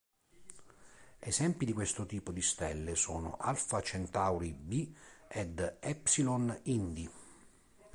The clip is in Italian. Esempi di questo tipo di stelle sono Alfa Centauri B ed Epsilon Indi.